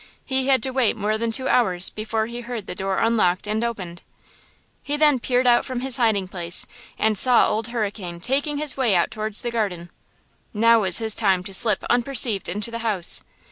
He had to wait more than two hours before he heard the door unlocked and opened. He then peered out from his hiding place and saw old Hurricane taking his way out towards the garden. Now was his time to slip unperceived into the house.